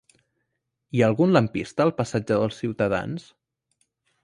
Hi ha algun lampista al passatge dels Ciutadans?